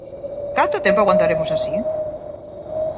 Canto tempo aguantaremos así?